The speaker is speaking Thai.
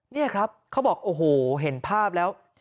นี่ครับเขาบอกโอ้โหเห็นภาพแล้ว